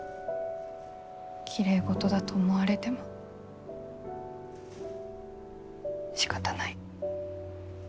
きれいごとだと思われてもしかたない。